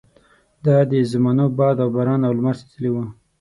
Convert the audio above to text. دا د زمانو باد او باران او لمر سېزلي وو.